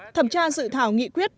thẩm tra dự thảo nghị quyết